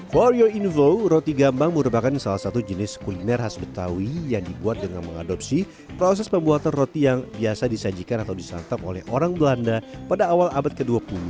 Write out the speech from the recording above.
for your info roti gambang merupakan salah satu jenis kuliner khas betawi yang dibuat dengan mengadopsi proses pembuatan roti yang biasa disajikan atau disantap oleh orang belanda pada awal abad ke dua puluh